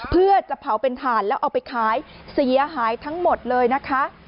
เพื่อจะเผาเป็นถ่านแล้วเอาไปขายเสียหายทั้งหมดเลยนะคะ